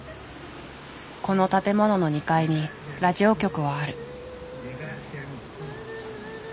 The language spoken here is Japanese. この建物の２階にラジオ局はある。